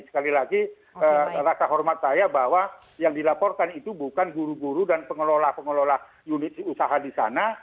sekali lagi rasa hormat saya bahwa yang dilaporkan itu bukan guru guru dan pengelola pengelola unit usaha di sana